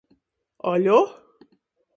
-Aļo!?